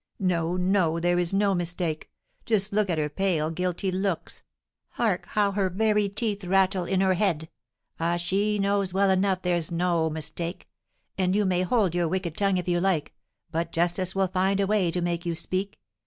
No, no, there is no mistake! Just look at her pale, guilty looks! Hark how her very teeth rattle in her head! Ah, she knows well enough there is no mistake! Ah, you may hold your wicked tongue if you like, but justice will find a way to make you speak.